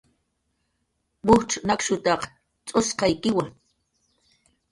Mujcx nakshutaq tz'usqaykiwa